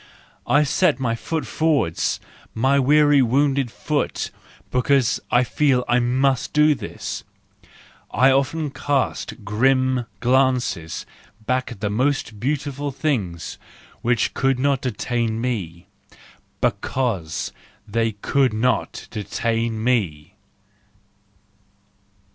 I must set my foot forward, my weary wounded foot: and because I feel I must do this, I often cast grim glances back at the most beautiful things which could not detain me —because they could not detain me!